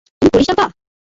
তুমি পুলিশ ডাকবা?